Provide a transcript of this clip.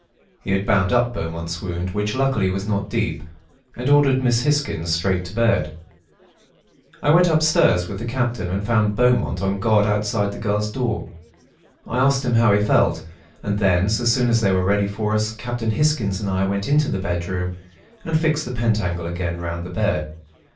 He had bound up Beaumont's wound, which, luckily, was not deep, and ordered Miss Hisgins straight to bed. I went upstairs with the Captain and found Beaumont on guard outside the girl's door. I asked him how he felt; and then, so soon as they were ready for us, Captain Hisgins and I went into the bedroom and fixed the pentacle again round the bed.